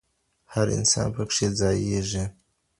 هر انسان پکښي ځاییږي